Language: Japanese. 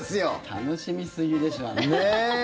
楽しみすぎでしょあんた。